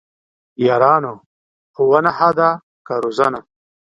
یارانو ! ښوونه ښه ده که روزنه؟!